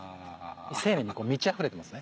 生命に満ちあふれてますね。